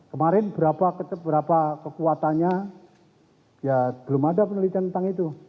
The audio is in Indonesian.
kemarin berapa kekuatannya ya belum ada penelitian tentang itu